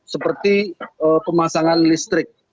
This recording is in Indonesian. seperti pemasangan listrik